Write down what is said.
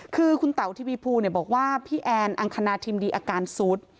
คือคุณเต๋าทีวีภูบอกว่าพี่แอนอังคณาทิมดีอาการสุด